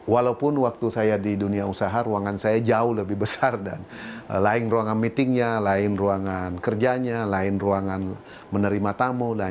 walaupun waktu saya di dunia usaha ruangan saya jauh lebih besar dan lain ruangan meetingnya lain ruangan kerjanya lain ruangan menerima tamu